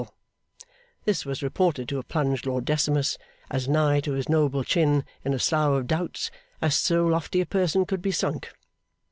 This was reported to have plunged Lord Decimus as nigh to his noble chin in a slough of doubts as so lofty a person could be sunk.